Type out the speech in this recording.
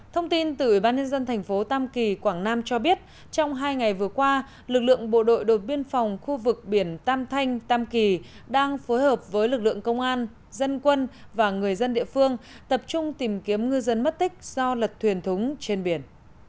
thông tin từ ủy ban nhân dân thành phố tam kỳ quảng nam cho biết trong hai ngày vừa qua lực lượng bộ đội biên phòng khu vực biển tam thanh tam kỳ đang phối hợp với lực lượng công an dân quân và người dân địa phương tập trung tìm kiếm ngư dân mất tích do lật thuyền thúng trên biển